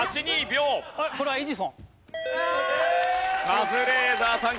カズレーザーさん